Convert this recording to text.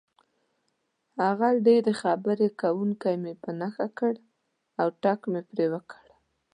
هغه ډېر خبرې کوونکی مې په نښه کړ او ټک مې پرې وکړ.